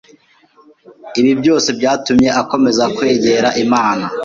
ibi byose byatumye akomeza kwegera Imana